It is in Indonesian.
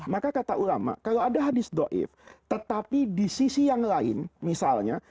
maka kata ulama kalau ada hadis do'if tetapi di sisi yang lain misalnya